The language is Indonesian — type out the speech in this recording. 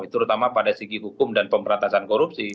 terutama pada segi hukum dan pemerintah